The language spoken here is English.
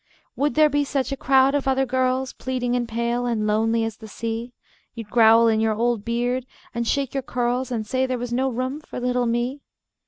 Would there be such a crowd of other girls, Pleading and pale and lonely as the sea, You'd growl in your old beard, and shake your curls, And say there was no room for little me?